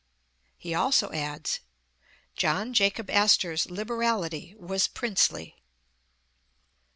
He also adds: *'John Jacob Astor 's liberality was princely."